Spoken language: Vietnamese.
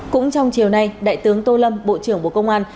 cũng trong chiều nay đại tướng tô lâm bộ trưởng bộ công an